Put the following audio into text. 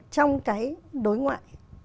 trong cái đối ngoại